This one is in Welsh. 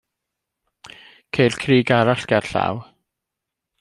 Ceir crug arall gerllaw.